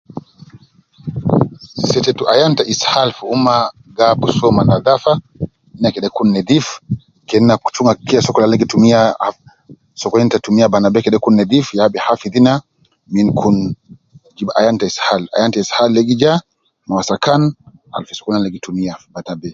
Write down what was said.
Setetu ayan te izhal fi umma gi abus uwo ma nadhafa, na kede kun nedhif, kena ku chunga kila sokol al ina gi tumiya, sokolin te tumiya batna bee kede kun nedif, ya bi hafidh ina min kun jib ayan te izhal, ayan te izhal de gi ja ma wasakan, al fi sokolin al ina gi tumiya fi batna be